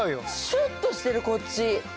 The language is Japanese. シュッとしてるこっち。